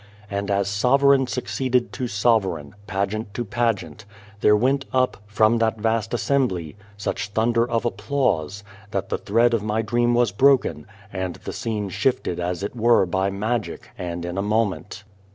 And as sovereign succeeded to sovereign, pageant to pageant, there went up, from that vast assem bly, such thunder of applause, that the thread of my dream was broken, and the scene shifted as it were by magic, and in a moment.